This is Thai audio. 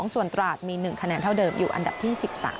ส่วนตราดมี๑คะแนนเท่าเดิมอยู่อันดับที่๑๓